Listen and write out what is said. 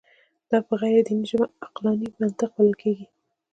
دا په غیر دیني ژبه عقلاني منطق بلل کېږي.